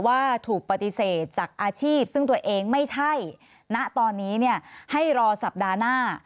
ว่าถูกปฏิเสธจากอาชีพซึ่งตัวเองไม่ใช่ณตอนนี้เนี่ยให้รอสัปดาห์หน้า